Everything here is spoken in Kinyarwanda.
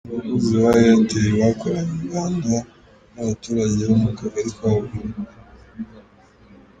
Abakozi ba Airtel bakoranye umuganda n'abaturage bo mu kagari ka Buvumu.